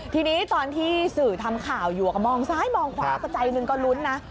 ทีนี้ตอนที่สื่อทำข่าวอยู่ก็มองซ้ายมองขวาสักใจหนึ่งก็ลุ้นนะ